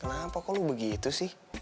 kenapa kok lu begitu sih